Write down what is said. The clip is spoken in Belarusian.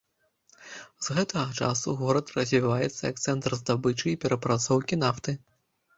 З гэтага часу горад развіваецца як цэнтр здабычы і перапрацоўкі нафты.